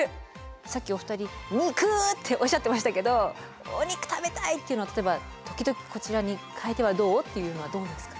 さっきお二人肉っておっしゃってましたけどお肉食べたいっていうのは例えば「時々こちらに変えてはどう？」っていうのはどうですか？